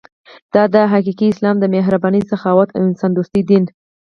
دا دی حقیقي اسلام د مهربانۍ، سخاوت او انسان دوستۍ دین.